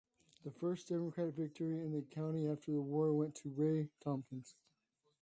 The first Democratic victory in the county after the war went to Ray Tompkins.